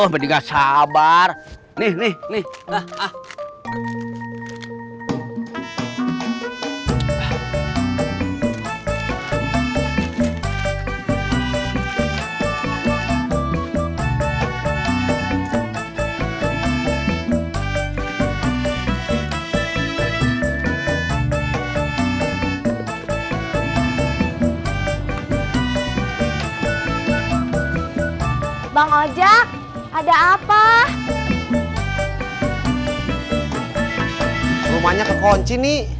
masalahnya saya mau ke rumahnya ani